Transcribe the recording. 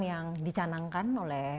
yang dicanangkan oleh